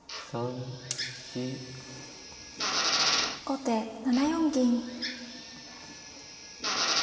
後手７四銀。